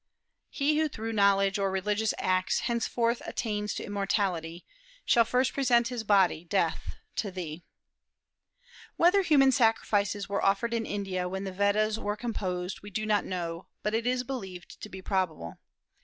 "He who through knowledge or religious acts Henceforth attains to immortality, Shall first present his body, Death, to thee." Whether human sacrifices were offered in India when the Vedas were composed we do not know, but it is believed to be probable.